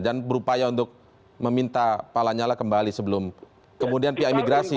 dan berupaya untuk meminta pak lanyala kembali sebelum kemudian pihak imigrasi